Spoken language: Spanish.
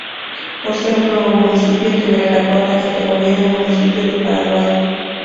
Por ser un nuevo municipio, tendrá la cuarta categoría de Municipio del Paraguay.